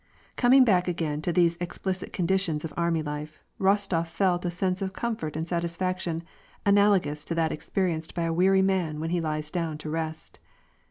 Coming back again to these explicit conditions of army life, Eostof felt a sense of comfort and satisfaction analogous to that experienced by a weary man when he lies down to rest.